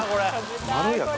まろやか